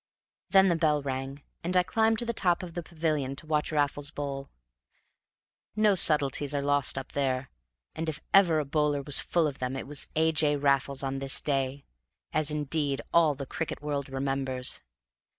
Then the bell rang, and I climbed to the top of the pavilion to watch Raffles bowl. No subtleties are lost up there; and if ever a bowler was full of them, it was A. J. Raffles on this day, as, indeed, all the cricket world remembers.